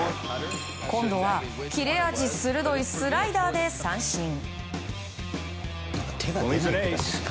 今度は切れ味鋭いスライダーで三振。